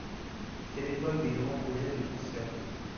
C'était l'époque des grands projets de transfert d'eau.